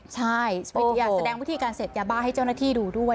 ใช่แสดงวิธีการเสพยาบ้าให้เจ้าหน้าที่ดูด้วย